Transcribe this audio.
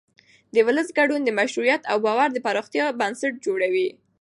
د ولس ګډون د مشروعیت او باور د پراختیا بنسټ جوړوي